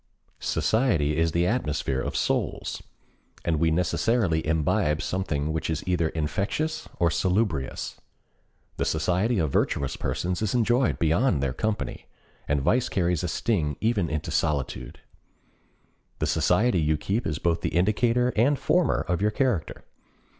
Society is the atmosphere of souls, and we necessarily imbibe something which is either infectious or salubrious. The society of virtuous persons is enjoyed beyond their company, and vice carries a sting even into solitude. The society you keep is both the indicator and former of your character.